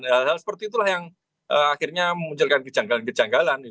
hal hal seperti itulah yang akhirnya memunculkan kejanggalan kejanggalan